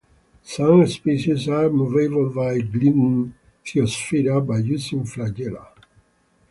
Some species are movable by gliding, "Thiospira" by using flagella.